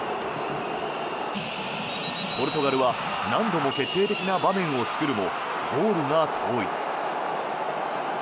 ポルトガルは何度も決定的な場面を作るもゴールが遠い。